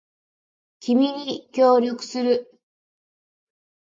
君に協力する